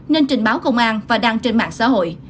nên trình báo công an và đăng trên mạng xã hội